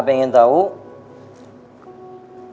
pantes dan wajar